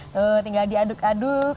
tuh tinggal diaduk aduk